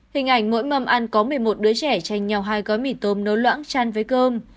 hình ảnh mỗi mâm ăn có một mươi một đứa trẻ tranh nhau hai gói mì tôm nấu loãng chăn với cơm